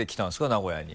名古屋に。